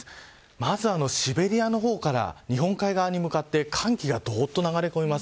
まず、シベリアの方から日本海側に向かって寒気がどっと流れ込みます。